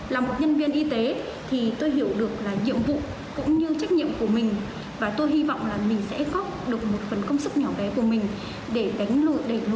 là một nhân viên y tế thì tôi hiểu được là nhiệm vụ cũng như trách nhiệm của mình và tôi hy vọng là mình sẽ có được một phần công sức nhỏ bé của mình để đẩy lùi được dịch covid tại tp hcm trong đợt này